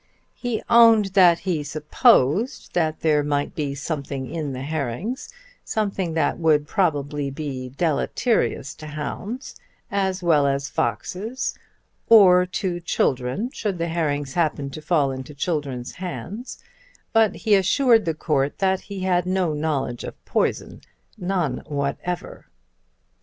He owned that he supposed that there might be something in the herrings, something that would probably be deleterious to hounds as well as foxes, or to children should the herrings happen to fall into children's hands; but he assured the Court that he had no knowledge of poison, none whatever.